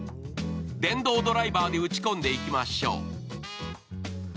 電動ドライバーで打ち込んでいきましょう。